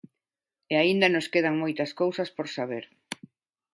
E aínda nos quedan moitas cousas por saber.